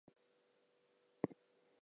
He became the Hon.